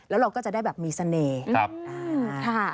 แล้วเราก็จะได้แบบมีเสน่ห์